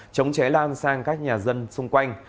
chống cháy lan sang các nhà dân xung quanh